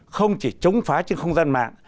không chỉ chống phá trên không gian mạng